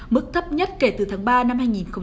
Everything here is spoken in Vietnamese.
mức thấp nhất kể từ tháng ba năm hai nghìn một mươi bảy